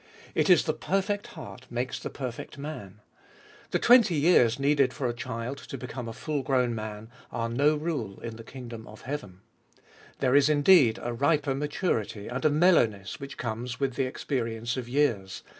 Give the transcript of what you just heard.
It is the perfect heart makes the perfect man. The twenty years needed for a child to become a full grown man are no rule in the kingdom of heaven. There is indeed a riper maturity and a mellowness which comes with the experience of years.